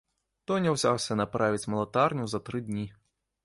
Тоня ўзяўся направіць малатарню за тры дні.